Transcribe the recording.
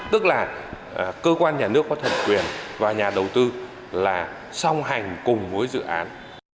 tức là cơ quan nhà nước có thẩm quyền và nhà đầu tư là song hành cùng với dự án